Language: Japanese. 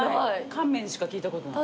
乾麺しか聞いたことない。